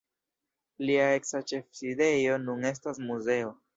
Lia eksa ĉefsidejo nun estas muzeo.